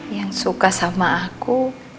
yang suka sama aku